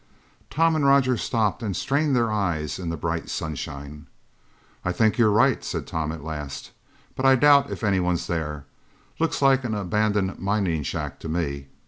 Tom and Roger stopped and strained their eyes in the bright sunshine. "I think you're right," said Tom at last. "But I doubt if anyone's there. Looks like an abandoned mining shack to me."